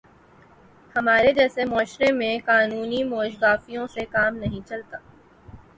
ہمارے جیسے معاشرے میں قانونی موشگافیوں سے کام نہیں چلتا۔